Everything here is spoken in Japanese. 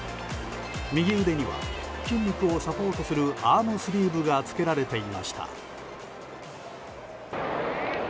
右腕には筋力をサポートするアームスリーブが着けられていました。